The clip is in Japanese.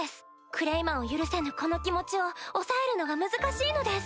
クレイマンを許せぬこの気持ちを抑えるのが難しいのです。